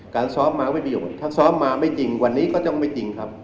การซอฟต์มาก็ไม่มีประโยชน์ถ้าซอฟต์มาไม่จริงวันนี้ก็จะไม่จริงครับ